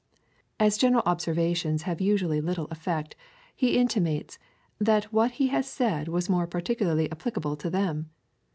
As general observations have usually little effect, he intimates, that what he had said was more particularly apj^licable to them.